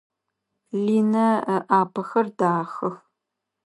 Линэ ыӏапэхэр дахэх.